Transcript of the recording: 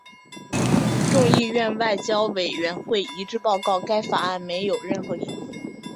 众议院外交委员会一致报告该法案没有任何意义。